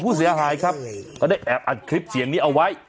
ผู้เสียหายครับก็ได้แอบอัดคลิปเสียงนี้เอาไว้